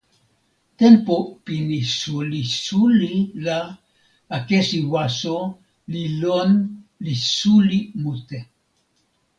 tenpo pini suli suli la akesi waso li lon li suli mute.